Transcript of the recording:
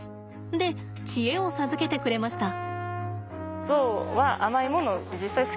で知恵を授けてくれました。